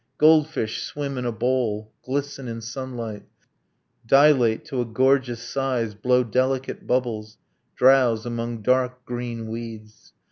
. Goldfish swim in a bowl, glisten in sunlight, Dilate to a gorgeous size, blow delicate bubbles, Drowse among dark green weeds.